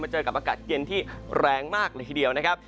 เจอกับอากาศเย็นที่แรงมากเลยทีเดียวนะครับ